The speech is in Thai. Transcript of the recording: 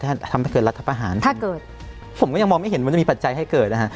ถ้าทำให้เกิดรัฐประหารถ้าเกิดผมก็ยังมองไม่เห็นมันจะมีปัจจัยให้เกิดนะฮะ